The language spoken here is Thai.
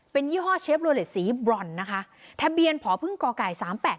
เป็นยี่ห้อเชฟโลเลสสีบรอนนะคะทะเบียนผอพึ่งก่อไก่สามแปด